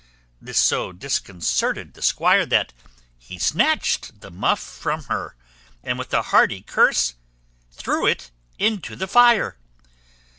This so disconcerted the squire, that he snatched the muff from her, and with a hearty curse threw it into the fire.